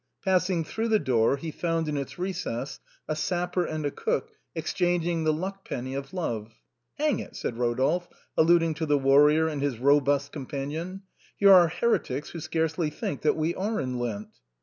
Passing through the door he found in its recess a sapper and a cook exchanging the luck penny of love, " Hang it," said Eodolphe, alluding to the warrior and his robust companion, " here are heretics who scarcely think that we are in Lent."